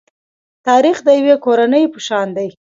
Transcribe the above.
تاریخ د یوې کورنۍ په شان دی.